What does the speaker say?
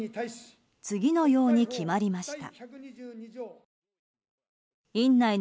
次のように決まりました。